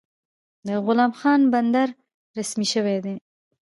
د غلام خان بندر رسمي شوی دی؟